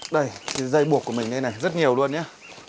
đây thì dây buộc của mình đây này rất nhiều luôn nhá